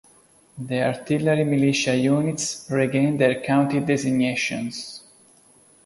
The artillery militia units regained their county designations.